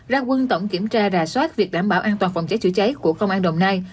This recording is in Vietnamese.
ra quân tổng kiểm tra rà soát việc đảm bảo an toàn phòng cháy chữa cháy của công an đồng nai